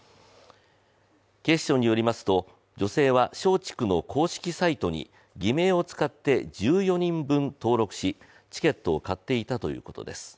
警視庁によりますと、女性は松竹の公式サイトに偽名を使って１４人分登録し、チケットを買っていたということです。